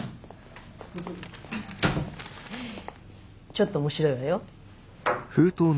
ちょっと面白いわよ。